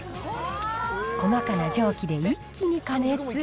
細かな蒸気で一気に加熱。